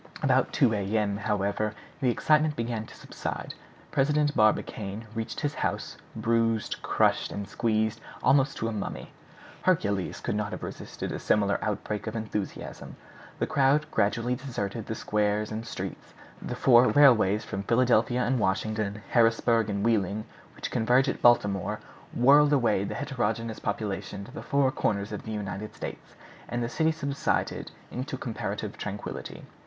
About two A.M., however, the excitement began to subside. President Barbicane reached his house, bruised, crushed, and squeezed almost to a mummy. Hercules could not have resisted a similar outbreak of enthusiasm. The crowd gradually deserted the squares and streets. The four railways from Philadelphia and Washington, Harrisburg and Wheeling, which converge at Baltimore, whirled away the heterogeneous population to the four corners of the United States, and the city subsided into comparative tranquility.